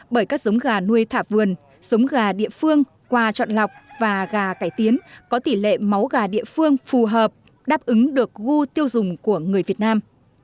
bởi các giống gà nuôi thả vườn giống gà địa phương quà chọn lọc và gà cải tiến có tỷ lệ máu gà địa phương phù hợp đáp ứng được gu tiêu dùng của người việt nam